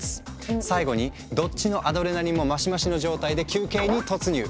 最後にどっちのアドレナリンもマシマシの状態で休憩に突入。